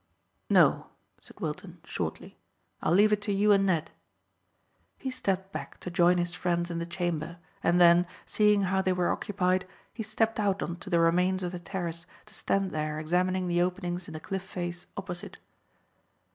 "No," said Wilton shortly. "I'll leave it to you and Ned." He stepped back to join his friends in the chamber, and then, seeing how they were occupied, he stepped out on to the remains of the terrace, to stand there examining the openings in the cliff face opposite.